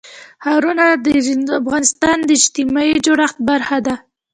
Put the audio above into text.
ښارونه د افغانستان د اجتماعي جوړښت برخه ده.